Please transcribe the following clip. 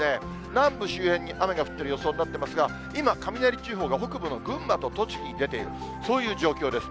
南部周辺に雨が降っている予想になっていますが、今、雷注意報が、北部の群馬と栃木に出ている、そういう状況です。